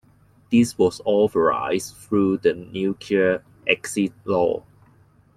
This was authorised through the Nuclear Exit Law.